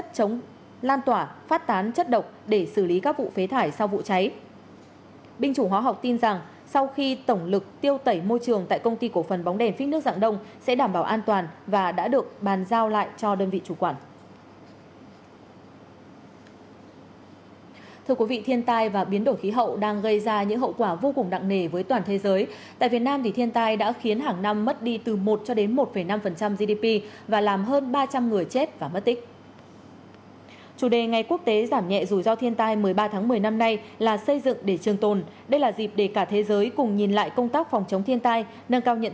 trong bình mỗi năm thiên tai khiến việt nam mất đi từ một đến một năm gdp và khoảng trên ba trăm linh người chết và mất tích